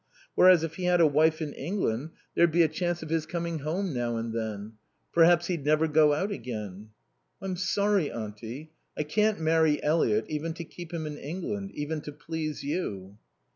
Whereas if he had a wife in England there'd be a chance of his coming home now and then. Perhaps he'd never go out again." "I'm sorry, Auntie. I can't marry Eliot even to keep him in England. Even to please you."